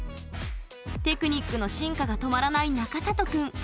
テクニックの進化が止まらない中里くん。